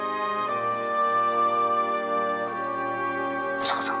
保坂さん